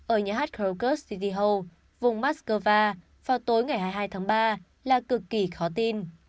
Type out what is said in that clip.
ở nhà hát krokus city hall vùng moscow vào tối ngày hai mươi hai tháng ba là cực kỳ khó tin